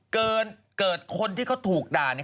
เกิดคนที่เขาถูกด่า